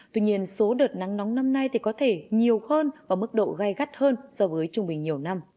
tuy nhiên số đợt nắng nóng năm nay có thể nhiều hơn và mức độ gai gắt hơn so với trung bình nhiều năm